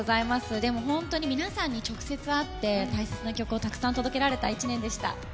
でも本当に皆さんに直接会って、大切な曲をたくさん届けられた１年でした。